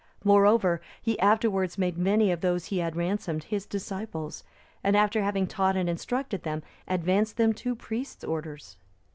Moreover, he afterwards made many of those he had ransomed his disciples, and after having taught and instructed them, advanced them to priest's orders.